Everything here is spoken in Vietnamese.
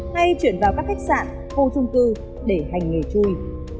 hay chuyển vào các khách sạn khu trung cư để hành nghề chui